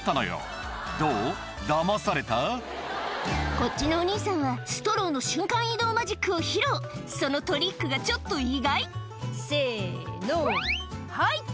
こっちのお兄さんはストローの瞬間移動マジックを披露そのトリックがちょっと意外「せのはい」